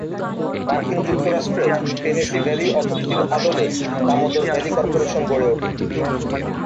মার্কিন যুক্তরাষ্ট্রের Tennessee Valley অথরিটির আদলে দামোদর ভ্যালি কর্পোরেশন গড়ে ওঠে।